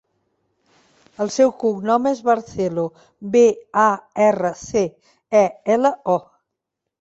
El seu cognom és Barcelo: be, a, erra, ce, e, ela, o.